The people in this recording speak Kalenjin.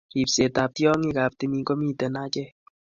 Ripsetab tiongiikab timiin ko miteech acheek